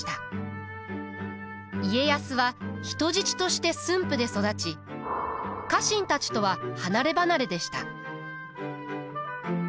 家康は人質として駿府で育ち家臣たちとは離れ離れでした。